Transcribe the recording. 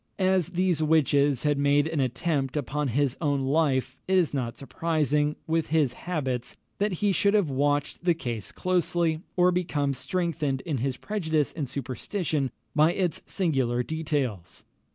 As these witches had made an attempt upon his own life, it is not surprising, with his habits, that he should have watched the case closely, or become strengthened in his prejudice and superstition by its singular details.